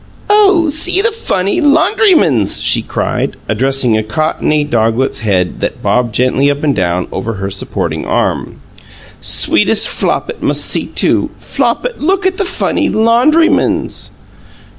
"Oh, see the fun ee laundrymans!" she cried, addressing a cottony doglet's head that bobbed gently up and down over her supporting arm. "Sweetest Flopit must see, too! Flopit, look at the fun ee laundrymans!"